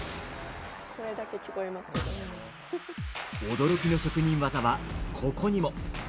驚きの職人技はここにも。